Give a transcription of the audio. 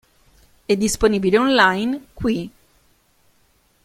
È disponibile online qui